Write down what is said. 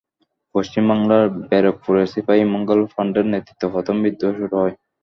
পশ্চিম বাংলার ব্যারাকপুরে সিপাহি মঙ্গল পাণ্ডের নেতৃত্ব প্রথম বিদ্রোহ শুরু হয়।